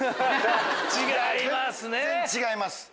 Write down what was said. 違いますね。